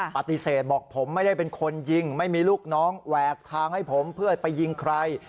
ปฏิเสธบอกผมไม่ได้เป็นคนยิงไม่มีลูกน้องแหวกทางให้ผมเพื่อไปยิงใคร